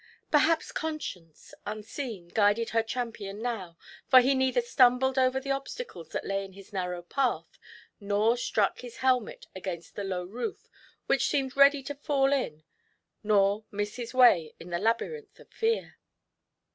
Perhaps Conscience, unseen, guided her champion now, for he neither stumbled over the obstacles that lay in his narrow path, nor struck his helmet against the low roof which seemed ready to fall in, nor missed his way in the labyrinth of Fear.